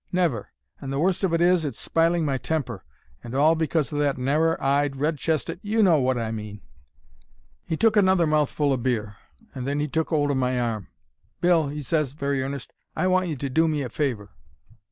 Never. And the worst of it is, it's spiling my temper. And all because o' that narrer eyed, red chested—you know wot I mean!' "He took another mouthful o' beer, and then he took 'old of my arm. 'Bill,' he ses, very earnest, 'I want you to do me a favour.'